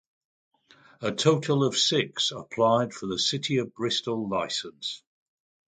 A total of six applied for the City of Bristol licence.